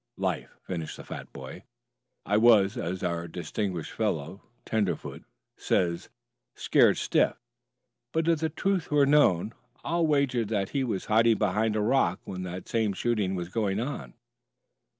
" life," finished the fat boy. "I was, as our distinguished fellow tenderfoot says, scared stiff. But if the truth were known, I'll wager that he was hiding behind a rock when that same shooting was going on."